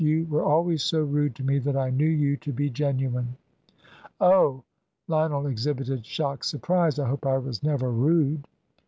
You were always so rude to me that I knew you to be genuine." "Oh!" Lionel exhibited shocked surprise. "I hope I was never rude."